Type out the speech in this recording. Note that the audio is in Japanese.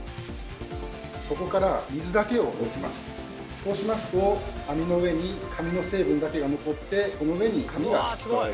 そうしますと網の上に紙の成分だけが残ってこの上に紙がすき取られる。